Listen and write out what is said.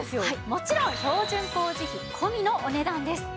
もちろん標準工事費込みのお値段です。